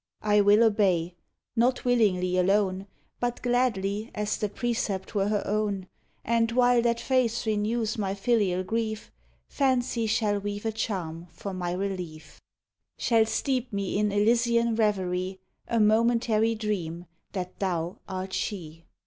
1 will obey,— not willingly alone, But gladly, as the precept were her own ; And, while that face renews my filial grief, Fancy shall weave a charm for my relief, — si I POEMS OF HOME. Shall strep me in KJvsian re very, A momentary dream that tliou art she.